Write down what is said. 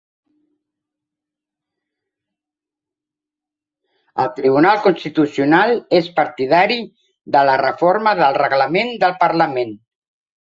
El Tribunal Constitucional és partidari de la reforma del reglament del parlament